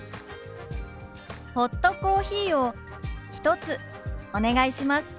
「ホットコーヒーを１つお願いします」。